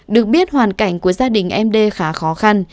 được biết hoàn cảnh của gia đình em đê khá khó khăn